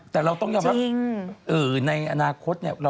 แต่ในอนาคต